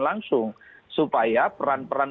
langsung supaya peran peran